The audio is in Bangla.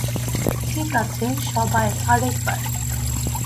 ঠিক আছে, সবাই, আরেকবার!